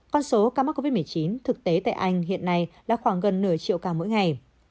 con số ca mắc covid một mươi chín thực tế tại anh hiện nay là khoảng gần nửa triệu ca mỗi ngày